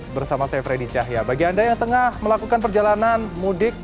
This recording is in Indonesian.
dan saya akan sedikit membicarakan tentang cuaca cuaca ini